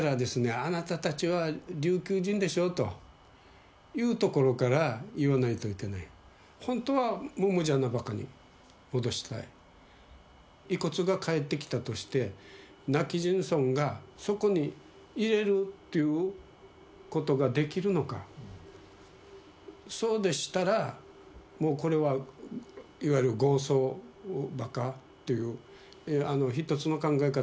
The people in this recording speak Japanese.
あなた達は琉球人でしょうというところから言わないといけないホントは百按司墓に戻したい遺骨が返ってきたとして今帰仁村がそこに入れるっていうことができるのかそうでしたらもうこれはいわゆる合葬墓という一つの考え方